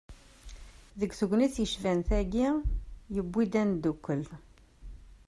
Deg tegnit yecban-tagi, iwwi-d ad neddukel.